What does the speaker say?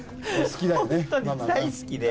大好きで。